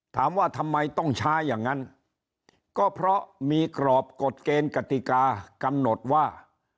ถามว่าทำไมต้องช้าอย่างนั้นก็เพราะมีกรอบกฎเกณฑ์กติกากำหนดว่า